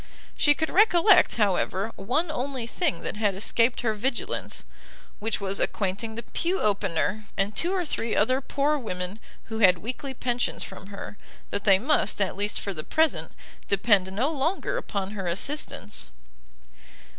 She could recollect, however, one only thing that had escaped her vigilance, which was acquainting the pew opener, and two or three other poor women who had weekly pensions from her, that they must, at least for the present, depend no longer upon her assistance.